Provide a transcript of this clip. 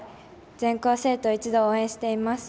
全校生徒一同、応援しています。